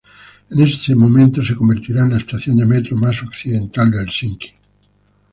En ese momento se convertirá en la estación de metro más occidental de Helsinki.